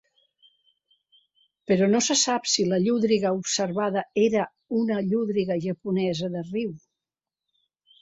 Però no se sap si la llúdriga observada era una llúdriga japonesa de riu.